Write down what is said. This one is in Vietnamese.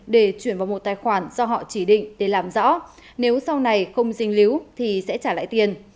để chuyển vào một tài khoản do họ chỉ định để làm rõ nếu sau này không dình líu thì sẽ trả lại tiền